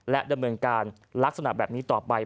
และดำเนินการลักษณะแบบนี้ต่อไป